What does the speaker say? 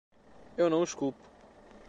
Eu não os culpo.